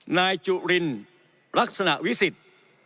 นายจุรินลักษณะวิสิทธิ์